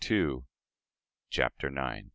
] CHAPTER IX.